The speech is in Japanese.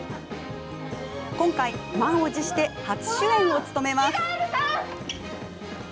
今回、満を持して初主演を務めます。